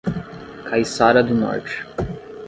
Caiçara do Norte